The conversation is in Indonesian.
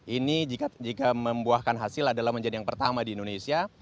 ini jika membuahkan hasil adalah menjadi yang pertama di indonesia